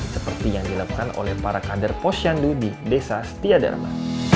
seperti yang dilakukan oleh para kader posyandu di desa setia dharma